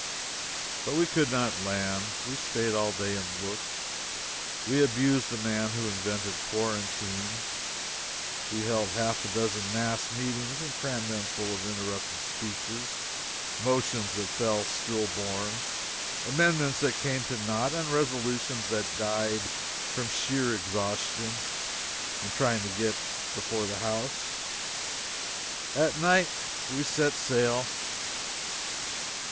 But we could not land. We staid all day and looked, we abused the man who invented quarantine, we held half a dozen mass meetings and crammed them full of interrupted speeches, motions that fell still born, amendments that came to nought and resolutions that died from sheer exhaustion in trying to get before the house. At night we set sail.